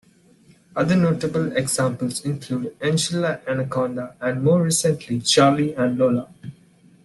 Other notable examples include "Angela Anaconda" and, more recently, "Charlie and Lola".